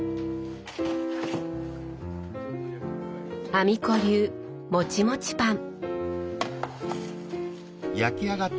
阿美子流もちもちパン。